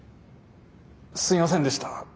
すいませんでした。